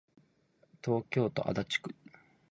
東京都足立区